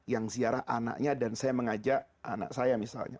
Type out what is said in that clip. yang ziarah anaknya dan saya mengajak anak saya misalnya